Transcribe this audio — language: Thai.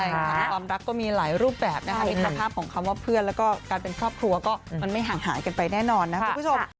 ความรักก็มีหลายรูปแบบในภาพแรกนะครับว่าเพื่อนและการเป็นครอบครัวไม่ห่างหายไปครับ